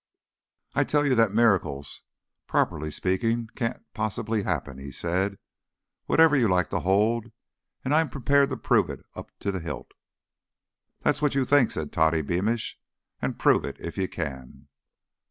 "I tell you that miracles, properly speaking, can't possibly happen," he said, "whatever you like to hold. And I'm prepared to prove it up to the hilt." "That's what you think," said Toddy Beamish, and "Prove it if you can."